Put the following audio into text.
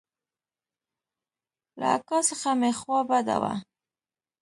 له اکا څخه مې خوا بده وه.